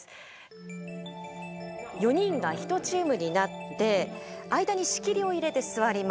４人が１チームになって間に仕切りを入れて座ります。